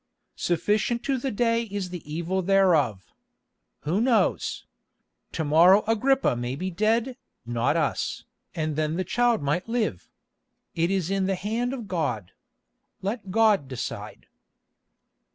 "Sufficient to the day is the evil thereof. Who knows? To morrow Agrippa may be dead, not us, and then the child might live. It is in the hand of God. Let God decide."